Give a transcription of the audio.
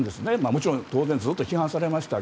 もちろん、当然ずっと批判されました。